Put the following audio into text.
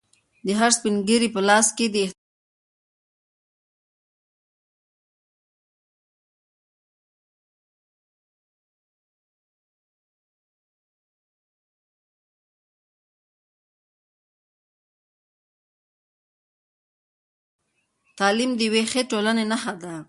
تعلیم د یوې ښې ټولنې نښه ده.